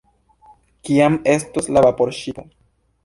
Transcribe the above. Kiam estos la vaporŝipo?